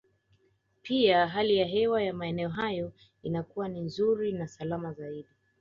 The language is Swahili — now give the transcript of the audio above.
Pia hali ya hewa ya maeneo hayo inakuwa ni nzuri na salama zaidi